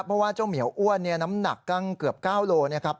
เพราะว่าเจ้าเหมียวอ้วนเนี่ยน้ำหนักกังเกือบเก้าโลเนี่ยครับ